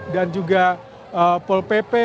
dan juga pol pp